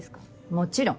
もちろん。